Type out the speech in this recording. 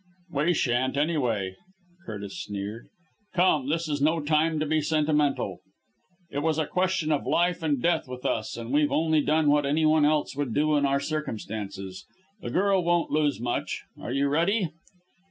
"We shan't, anyway," Curtis sneered. "Come, this is no time to be sentimental. It was a question of life and death with us, and we've only done what any one else would do in our circumstances. The girl won't lose much! Are you ready?"